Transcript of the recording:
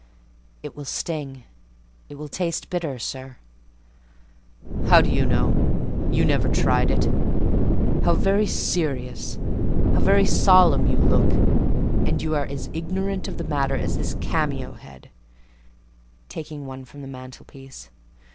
"It will sting—it will taste bitter, sir." "How do you know?—you never tried it. How very serious—how very solemn you look: and you are as ignorant of the matter as this cameo head" (taking one from the mantelpiece).